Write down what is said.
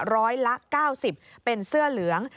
ร้อยละ๙๐เป็นเสื้อเหลือง